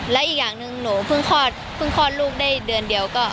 แล้วอีกอย่างหนึ่งหนูเพิ่งคลอดลูกได้เดือนเดียว